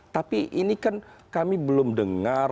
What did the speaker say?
tapi ini kan kami belum dengar